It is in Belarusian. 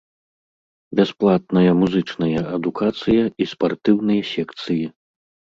Бясплатная музычная адукацыя і спартыўныя секцыі.